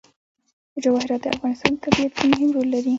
جواهرات د افغانستان په طبیعت کې مهم رول لري.